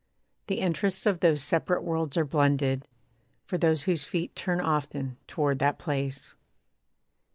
The interests of those separate worlds are blended For those whose feet turn often toward that place.